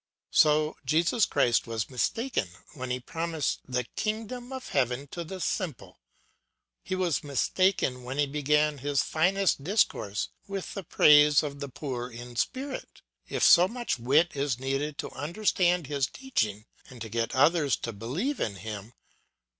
So Jesus Christ was mistaken when he promised the kingdom of heaven to the simple, he was mistaken when he began his finest discourse with the praise of the poor in spirit, if so much wit is needed to understand his teaching and to get others to believe in him.